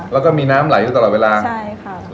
แล้วก็มีน้ำไหลอยู่ตลอดเวลาใช่ค่ะ